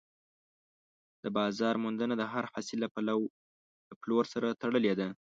د بازار موندنه د هر حاصل له پلور سره تړلې ده.